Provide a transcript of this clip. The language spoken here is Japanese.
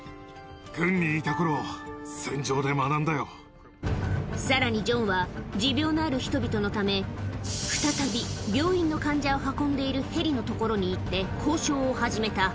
軍にいたころ、さらにジョンは、持病のある人々のため、再び病院の患者を運んでいるヘリの所に行って、交渉を始めた。